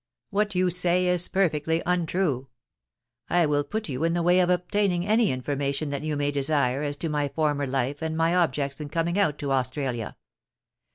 What you say is perfectly untrue. I will put you in the way of ob taining any information that you may desire as to my former life and my objects in coming out to Australia.